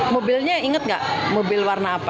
mobilnya inget nggak mobil warna apa